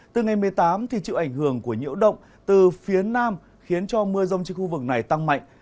từ ngày một mươi tám chịu ảnh hưởng của nhiễu động từ phía nam khiến cho mưa rông trên khu vực này tăng mạnh